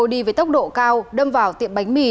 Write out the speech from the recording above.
đi với tốc độ cao đâm vào tiệm bánh mì